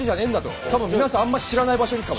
たぶん皆さんあんまり知らない場所行くかも。